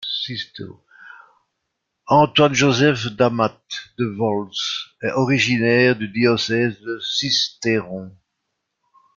Antoine-Joseph d'Amat de Volx est originaire du diocèse de Sisteron.